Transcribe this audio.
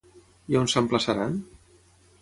I a on s'emplaçaran?